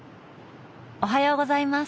おはようございます！